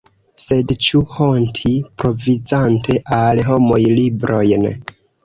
Sed ĉu honti, provizante al homoj librojn?